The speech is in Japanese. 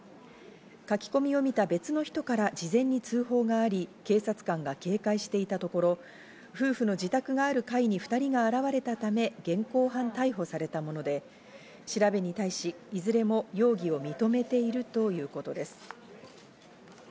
書き込みを見た別の人から事前に通報があり、警察官が警戒していたところ、夫婦の自宅がある階に２人が現れたため、現行犯逮捕されたもので、調べに対し、いずれも容疑を認めているということです。